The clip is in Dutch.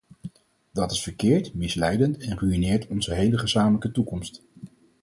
Dat is verkeerd, misleidend en ruïneert onze hele gezamenlijke toekomst.